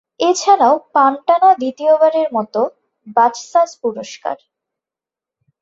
এছাড়াও পান টানা দ্বিতীয়বারের মত বাচসাস পুরস্কার।